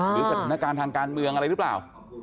หรือสถานการณ์ทางการเมืองอะไรหรือเปล่า